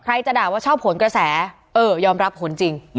จะด่าว่าชอบผลกระแสเออยอมรับผลจริง